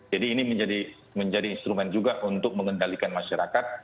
jadi ini menjadi instrumen juga untuk mengendalikan masyarakat